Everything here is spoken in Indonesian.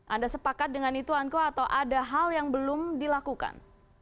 anda sepakat dengan itu anko atau ada hal yang belum dilakukan